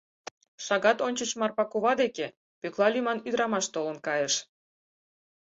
Шагат ончыч Марпа кува деке Пӧкла лӱман ӱдрамаш толын кайыш.